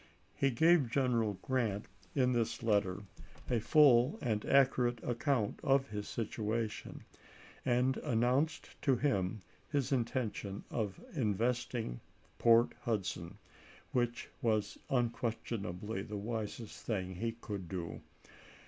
He gave General Grant, in this PORT HUDSON 317 letter,1 a full and accurate account of his situation, chap. xi. and announced to him his intention of investing May^ises. Port Hudson, which was unquestionably the wisest pp01^ J& thing he could do.